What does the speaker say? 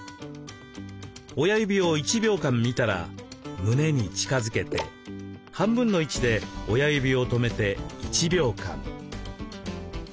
親指を１秒間見たら胸に近づけて半分の位置で親指を止めて１秒間。